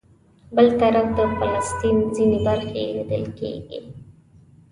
بل طرف د فلسطین ځینې برخې لیدل کېږي.